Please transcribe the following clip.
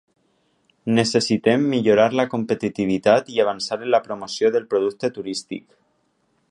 Necessitem millorar la competitivitat i avançar en la promoció del producte turístic.